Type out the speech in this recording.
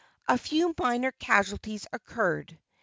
A few minor casualties occurred.